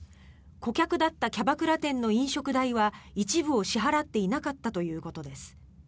顧客だったキャバクラ店の飲食代は一部を支払っていなかったということです。